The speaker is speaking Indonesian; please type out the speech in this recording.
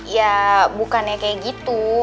ya bukannya kayak gitu